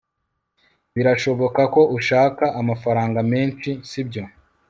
birashoboka ko ushaka amafaranga menshi, sibyo